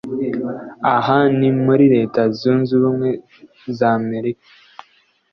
aha ni muri Leta Zunze Ubumwe za Amerika